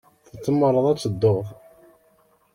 Tzemreḍ ad tedduḍ.